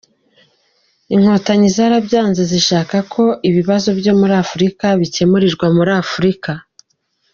Inkotanyi zarabyanze zishaka ko ibibazo byo muri Afurika bikemurirwa muri Afurika.